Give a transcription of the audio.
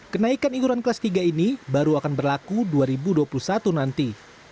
kenaikan iuran kelas tiga ini baru akan berlaku dua ribu dua puluh satu nanti